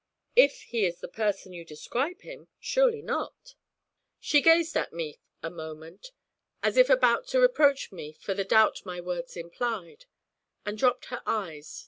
'If he is the person you describe him, surely not.' She gazed at me a moment, as if about to reproach me for the doubt my words implied, and dropped her eyes.